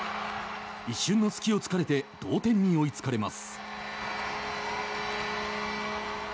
一瞬のすきを突かれて同点に追いつかれます。